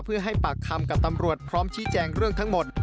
เพื่อให้ปากคำกับตำรวจพร้อมชี้แจงเรื่องทั้งหมด